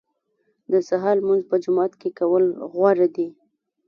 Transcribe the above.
د سهار لمونځ په جومات کې کول غوره دي.